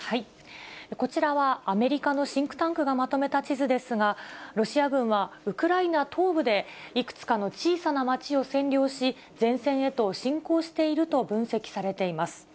こちらは、アメリカのシンクタンクがまとめた地図ですが、ロシア軍は、ウクライナ東部で、いくつかの小さな町を占領し、前線へと侵攻していると分析されています。